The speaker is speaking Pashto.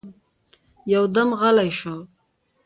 يودم غلی شو.